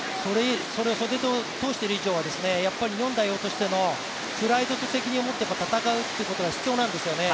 袖を通している以上は、日本代表としてのプライドと責任を持って戦うということが必要なんですよね。